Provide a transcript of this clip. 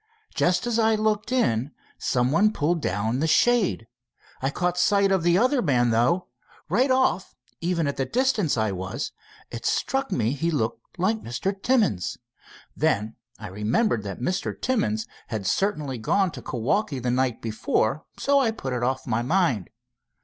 Just as I looked in some one pulled down the shade. I caught a sight of the other man, though. Right off, even at the distance I was, it struck me he looked like Mr. Timmins. Then I remembered that Mr. Timmins had certainly gone to Kewaukee the night before, so I put it off my mind.